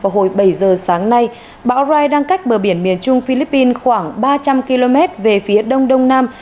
hồi bảy giờ sáng nay bão rai đang cách bờ biển miền trung philippines khoảng ba trăm linh km về phía đông đông nam